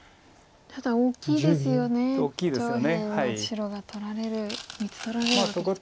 ただ大きいですよね上辺の白３つ取られるような。